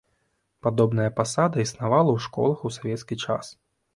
Падобная пасада існавала ў школах у савецкі час.